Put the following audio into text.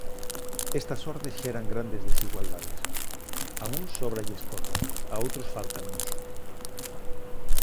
Estas ordes xeran grandes desigualdades: a uns sóbralles cota, a outros fáltanos.